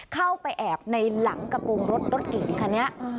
เข้าไปแอบในหลังกระโปรงรถรถกินค่ะ